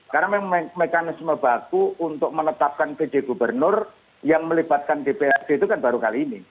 karena memang mekanisme baru untuk menetapkan pj gubernur yang melibatkan dprd itu kan baru kali ini